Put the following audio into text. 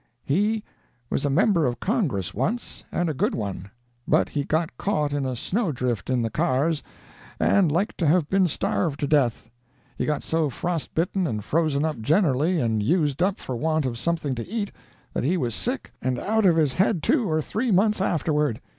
"He was a member of Congress once, and a good one. But he got caught in a snow drift in the cars, and like to have been starved to death. He got so frost bitten and frozen up generally, and used up for want of something to eat, that he was sick and out of his head two or three months afterward.